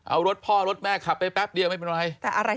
เอารถพ่อรถแม่ขับไปแปปเดียวไม่เป็นไร